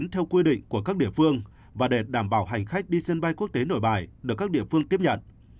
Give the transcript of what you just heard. theo quy định của các địa phương và để đảm bảo hành khách đi sân bay quốc tế nội bài được các địa phương tiếp nhận